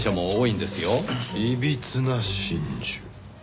いびつな真珠。